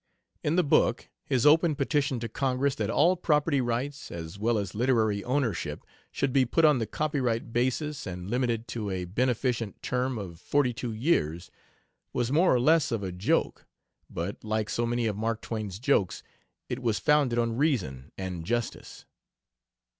In the book his open petition to Congress that all property rights, as well as literary ownership, should be put on the copyright basis and limited to a "beneficent term of forty two years," was more or less of a joke, but, like so many of Mark Twain's jokes, it was founded on reason and justice.